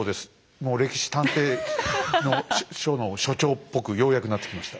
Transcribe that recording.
もう歴史探偵所の所長っぽくようやくなってきました。